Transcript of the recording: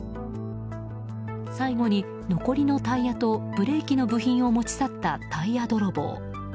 最後に残りのタイヤとブレーキの部品を持ち去ったタイヤ泥棒。